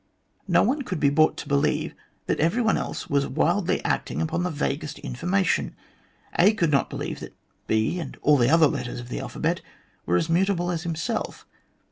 No one could be brought to believe that every one else was wildly acting upon the vaguest information. " A " could not believe that "B" and all the other letters of the alphabet were as mutable as himself.